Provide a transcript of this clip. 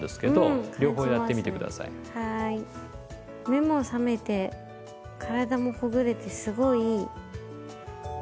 目も覚めて体もほぐれてすごいいい。